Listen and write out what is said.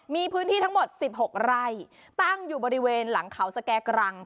มีพื้นที่ทั้งหมด๑๖ไร่ตั้งอยู่บริเวณหลังเขาสแก่กรัง